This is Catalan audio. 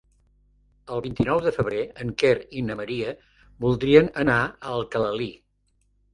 El vint-i-nou de febrer en Quer i na Maria voldrien anar a Alcalalí.